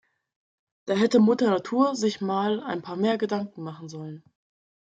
Da hätte Mutter Natur sich mal ein paar mehr Gedanken machen sollen.